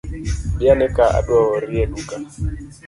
Biane ka adua ori eduka.